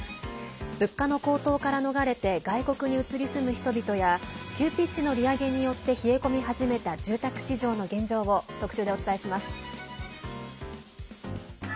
物価の高騰から逃れて外国に移り住む人々や急ピッチの利上げによって冷え込み始めた住宅市場の現状を特集でお伝えします。